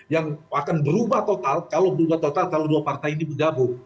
yang akan berubah total kalau dua partai ini bergabung